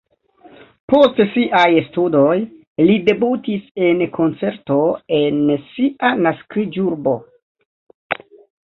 Post siaj studoj li debutis en koncerto en sia naskiĝurbo.